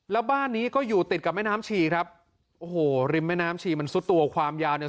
แล้วบ้านนี้ก็อยู่ติดกับแม่น้ำชีครับโอ้โหริมแม่น้ำชีมันซุดตัวความยาวเนี่ย